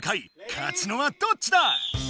勝つのはどっちだ